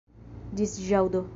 Ĝis ĵaŭdo!